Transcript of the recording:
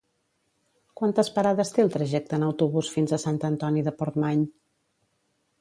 Quantes parades té el trajecte en autobús fins a Sant Antoni de Portmany?